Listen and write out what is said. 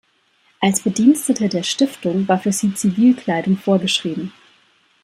Als Bedienstete der „Stiftung“ war für sie Zivilkleidung vorgeschrieben.